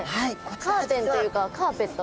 カーテンというかカーペットみたいな。